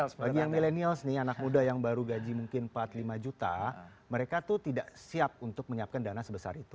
bagi yang milenials nih anak muda yang baru gaji mungkin empat lima juta mereka tuh tidak siap untuk menyiapkan dana sebesar itu